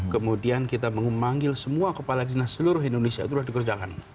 kemudian kita memanggil semua kepala dinas seluruh indonesia itu sudah dikerjakan